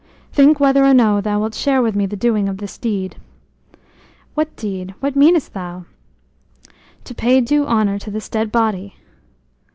"Think whether or no thou wilt share with me the doing of this deed." "What deed? What meanest thou?" "To pay due honor to this dead body."